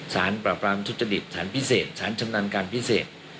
สารปราบรามทุจริตฐานพิเศษสารชำนาญการพิเศษ